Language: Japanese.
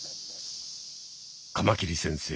カマキリ先生